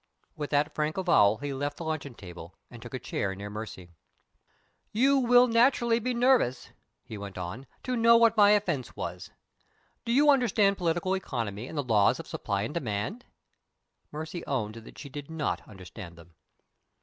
With that frank avowal he left the luncheon table, and took a chair near Mercy. "You will naturally be anxious," he went on, "to know what my offense was. Do you understand Political Economy and the Laws of Supply and Demand?" Mercy owned that she did not understand them.